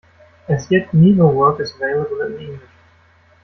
As yet neither work is available in English.